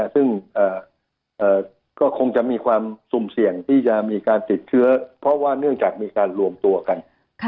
ซึ่งก็คงจะมีความสุ่มเสี่ยงที่จะมีการติดเชื้อเพราะว่าเนื่องจากมีการรวมตัวกัน